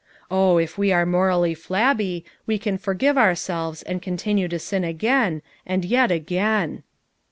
Oh, if we are morally flabby, we can forgive our selves, and continue; to sin again, and yet again."